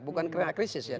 bukan krisis ya